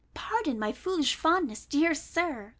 Pardon my foolish fondness, dear Sir!